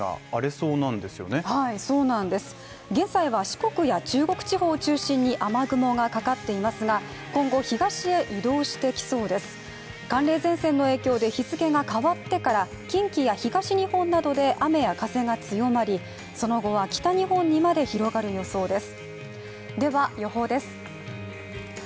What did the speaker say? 寒冷前線の影響で日付が変わってから近畿や東日本などで雨や風が強まり、その後は北日本にまで広がる予想です。